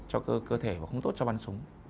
cho cơ thể và không tốt cho bắn súng